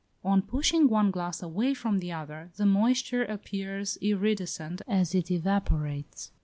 On pushing one glass away from the other the moisture appears iridescent as it evaporates.